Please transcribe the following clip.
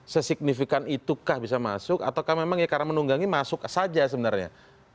sesignifikan itukah bisa masuk ataukah memang ya karena menunggangi masuk saja sebenarnya